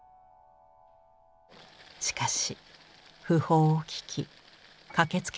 しかし訃報を聞き駆けつけた人がいました。